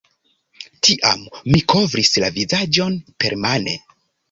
Tiam mi kovris la vizaĝon permane.